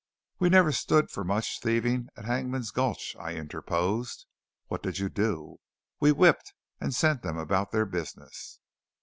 "We never stood for much thieving at Hangman's Gulch," I interposed. "What did you do?" "We whipped and sent them about their business."